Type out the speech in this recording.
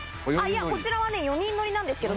こちらは４人乗りなんですけど。